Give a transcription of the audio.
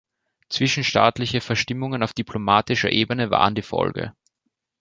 Zwischenstaatliche Verstimmungen auf diplomatischer Ebene waren die Folge.